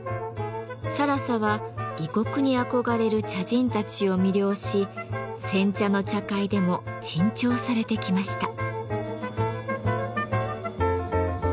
更紗は異国に憧れる茶人たちを魅了し煎茶の茶会でも珍重されてきました。